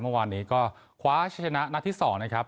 เมื่อวานนี้ก็คว้าชนะนัดที่๒นะครับ